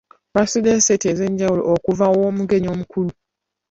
Baasuubiddeyo ssente ez'enjawulo okuva mu omugenyi omukulu.